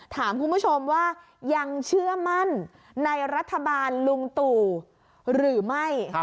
ถามคุณผู้ชมว่ายังเชื่อมั่นในรัฐบาลลุงตู่หรือไม่